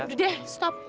udah deh stop